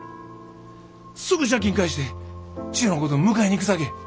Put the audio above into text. すぐ借金返して千代のこと迎えに行くさけ。